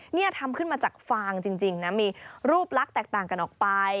นี่ทำขึ้นมาจากฟางจริงนะมีรูปลักษณ์แตกต่างกันออกไป